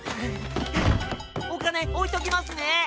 おかねおいときますね。